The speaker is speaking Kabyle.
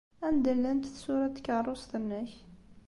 Anda llant tsura n tkeṛṛust-nnek?